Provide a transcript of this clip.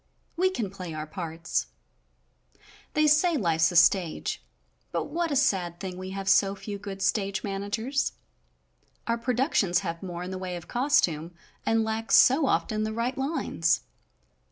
We can play our parts. They say life's a stage, but what a sad thing we have so few good stage managers. Our productions have more in the way of Costume and lack, so often, the right lines.